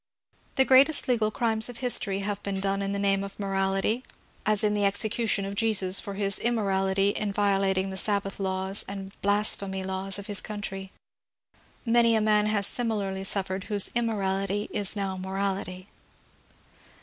The greatest legal crimes of history have been done in the name of morality, as in the execution of Jesus for his ' inmiorality ' in violating the Sabbath laws and blasphemy laws of his country. Many a man has similarly suffered, whose immorality is now morality.